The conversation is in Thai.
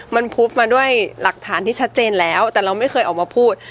มันพุบมาด้วยหลักฐานที่ชัดเจนแล้วแต่เราไม่เคยออกมาพูด